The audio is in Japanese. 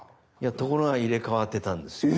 ところが入れ替わってたんですよ。